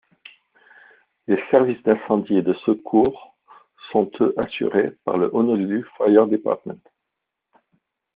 Les services d'incendie et de secours sont eux assurés par le Honolulu Fire Department.